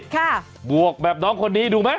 บวกแบบน้องคนนี้ดูไหม